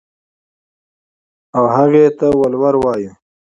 او هغې ته ولور وايو.